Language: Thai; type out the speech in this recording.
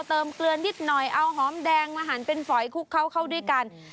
เกลือนิดหน่อยเอาหอมแดงมาหันเป็นฝอยคลุกเข้าด้วยกัน